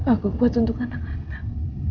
aku buat untuk anak anak